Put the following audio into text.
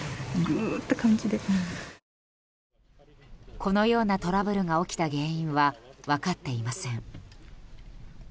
このようなトラブルが起きた原因は分かっていません。